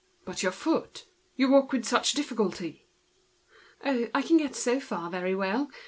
"But your foot! You walk with such difficulty." "Oh, I can get so far very well.